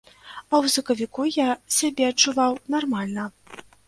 А ў сакавіку я сябе адчуваў нармальна.